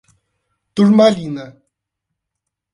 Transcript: Turmalina